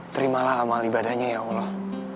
terimalah amal ibadahnya ya allah